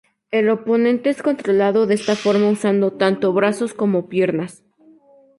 El oponente es controlado de esta forma usando tanto brazos como piernas.